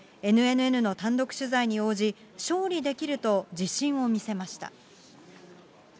ＮＮＮの単独取材に応じ、勝利できると自信を見せました。